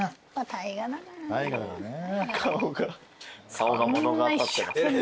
顔が物語ってます。